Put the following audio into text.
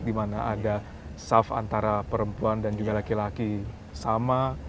di mana ada shaf antara perempuan dan laki laki sama